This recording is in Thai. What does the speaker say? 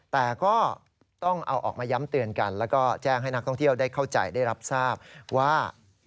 แต่ก็ต้องเอาออกมาย้ำเตือนกันแล้วก็แจ้งให้นักท่องเที่ยวได้เข้าใจได้รับทราบว่า